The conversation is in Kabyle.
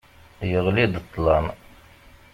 Yeɣli-d ṭṭlam.